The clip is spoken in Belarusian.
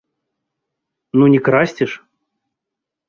Ну, не красці ж?!